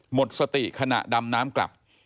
หมดสติขณะดำน้ำกลับ